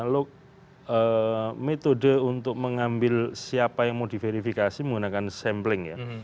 lo metode untuk mengambil siapa yang mau diverifikasi menggunakan sampling ya